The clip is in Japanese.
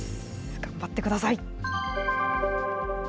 頑張ってください。